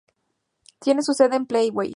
Tiene su sede en Plainview.